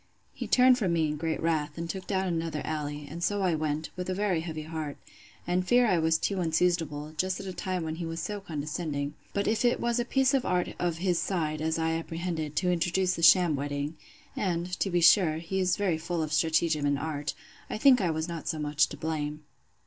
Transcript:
He turned from me in great wrath, and took down another alley, and so I went, with a very heavy heart; and fear I was too unseasonable, just at a time when he was so condescending: but if it was a piece of art of his side, as I apprehended, to introduce the sham wedding, (and, to be sure, he is very full of stratagem and art,) I think I was not so much to blame.